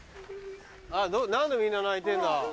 何でみんな泣いてんだ？